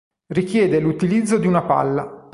Richiede l'utilizzo di una palla.